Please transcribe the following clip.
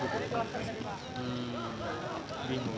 sudah pak makasih